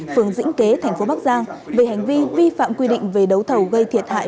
phường dĩnh kế thành phố bắc giang về hành vi vi phạm quy định về đấu thầu gây thiệt hại